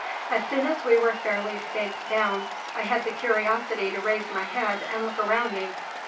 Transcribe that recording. As soon as we were fairly staked down, I had the curiosity to raise my head and look around me.